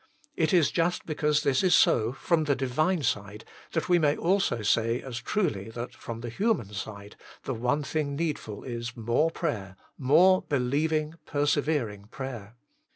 It is just because MY GOD WILL HEAR ME 153 this is so, from the Divine side, that we may also say as truly that, from the human side, the one thing needful is, more prayer, more believing, per severing prayer.